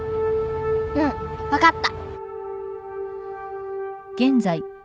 うん。分かった